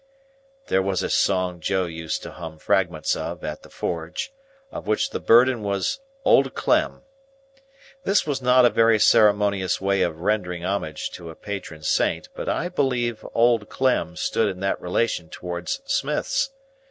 There was a song Joe used to hum fragments of at the forge, of which the burden was Old Clem. This was not a very ceremonious way of rendering homage to a patron saint, but I believe Old Clem stood in that relation towards smiths.